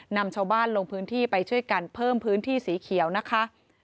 นำชาวบ้านลงพื้นที่ไปช่วยกันเพิ่มพื้นที่สีเขียวนะคะ